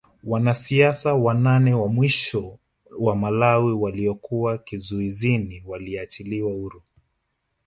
Wanasiasa wanane wa mwisho wa Malawi waliokuwa kizuizini waliachiliwa huru